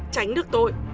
tránh được tội